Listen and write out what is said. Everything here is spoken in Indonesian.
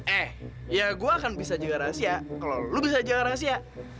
eh ya gue akan bisa jaga rahasia kalau lu bisa jaga rahasia